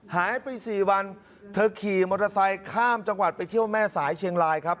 หายไป๔วันเธอขี่มอเตอร์ไซค์ข้ามจังหวัดไปเที่ยวแม่สายเชียงรายครับ